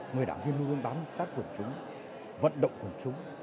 người đảng viên luôn luôn bám sát quần chúng vận động quần chúng